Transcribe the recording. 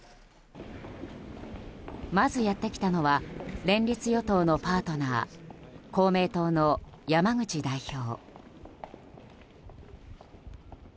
まずやってきたのは連立与党のパートナー公明党の山口代表。